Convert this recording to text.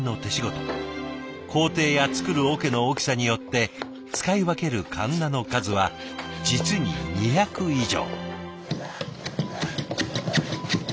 工程や作る桶の大きさによって使い分けるかんなの数は実に２００以上。